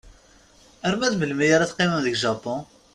Arma d melmi ara teqqimem deg Japun?